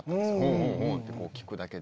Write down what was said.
「うんうんうん」って聞くだけで。